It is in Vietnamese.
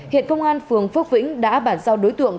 hiện công an phường phước vĩnh đã bản giao đối tượng